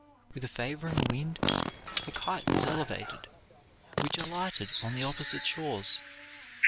With a favoring wind a kite was elevated, which alighted on the opposite shores.